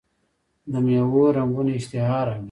د میوو رنګونه اشتها راوړي.